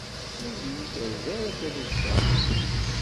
Ur yi-terza ara taluft-a.